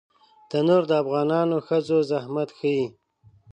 تنور د افغانو ښځو زحمت ښيي